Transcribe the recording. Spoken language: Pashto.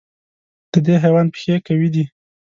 د دې حیوان پښې قوي دي.